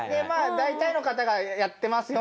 「大体の方がやってますよ」